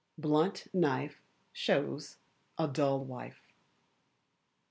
[A BLUNT KNIFE SHOWS A DULL WIFE.